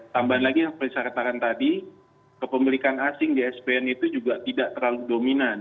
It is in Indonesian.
tambahan lagi yang seperti saya katakan tadi kepemilikan asing di spn itu juga tidak terlalu dominan